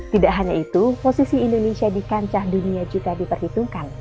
tidak hanya itu posisi indonesia di kancah dunia juga diperhitungkan